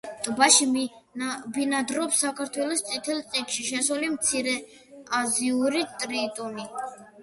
ტბაში ბინადრობს საქართველოს წითელ წიგნში შესული მცირეაზიური ტრიტონი.